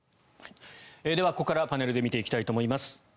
ではここからパネルで見ていきたいと思います。